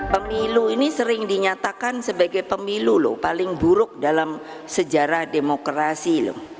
pemilu ini sering dinyatakan sebagai pemilu loh paling buruk dalam sejarah demokrasi